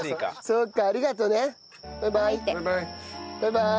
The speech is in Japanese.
そうかありがとうね。バイバイ。